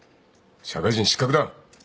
社会人失格だ。